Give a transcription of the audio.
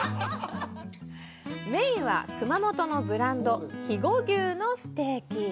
メインは熊本のブランド肥後牛のステーキ。